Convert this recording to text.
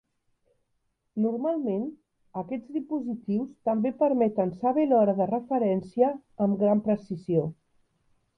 Normalment aquests dispositius també permeten saber l'hora de referència amb gran precisió.